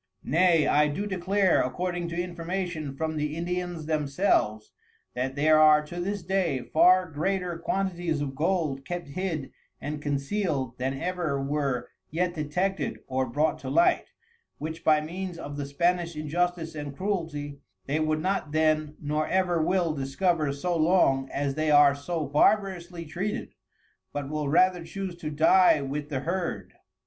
Nay I do declare, according to Information from the Indians themselves, that there are to this day far greater Quantities of Gold kept hid and concealed than ever were yet detected or brought to light, which by means of the Spanish Injustice and Cruelty, they would not then, nor ever will discover so long as they are so barbarously treated, but will rather chose to dye with the Herd.